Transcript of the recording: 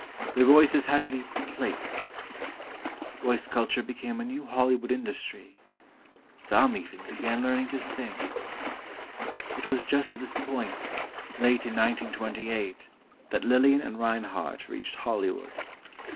Their voices had to be "placed." Voice culture became a new Hollywood industry. Some, even, began learning to sing. It was just at this point, late in 1928, that Lillian and Reinhardt reached Hollywood.